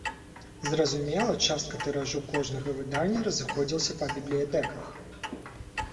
Зразумела, частка тыражу кожнага выдання разыходзілася па бібліятэках.